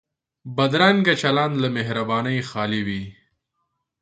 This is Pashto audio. بدرنګه چلند له مهربانۍ خالي وي